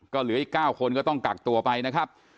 ก็เหลืออีก๙คนก็ต้องกักตัวไปนะครับ